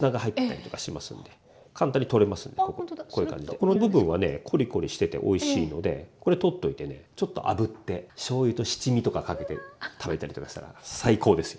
この部分はねコリコリしてておいしいのでこれ取っといてねちょっとあぶってしょうゆと七味とかかけて食べたりとかしたら最高ですよ。